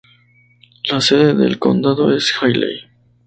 La sede del condado es Hailey.